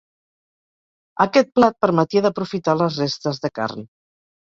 Aquest plat permetia d'aprofitar les restes de carn.